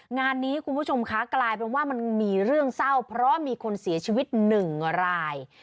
งานนี้คุณผู้ชมคะกลายเป็นว่ามันมีเรื่องเศร้าเพราะมีคนเสียชีวิตหนึ่งราย